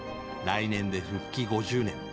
来年で復帰５０年。